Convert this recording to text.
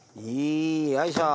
よいしょ。